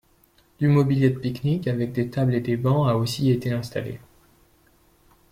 Du mobilier de pique-nique avec des tables et des bancs a aussi été installé.